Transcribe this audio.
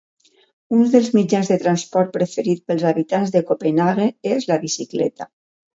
Un dels mitjans de transport preferit pels habitants de Copenhaguen és la Bicicleta.